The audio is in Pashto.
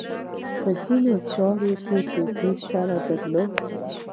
په ځینو چارو کې توپیر سره درلود.